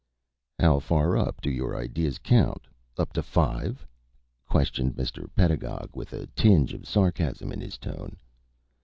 "How far up do your ideas count up to five?" questioned Mr. Pedagog, with a tinge of sarcasm in his tone.